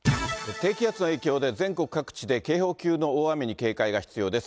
低気圧の影響で、全国各地で警報級の大雨に警戒が必要です。